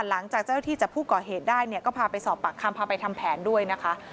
หลังจากเจ้าที่จับผู้ก่อเหตุได้เนี่ยก็พาไปสอบปากคำพาไปทำแผนด้วยนะคะ